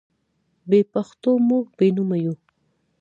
بې پښتوه موږ بې نومه یو.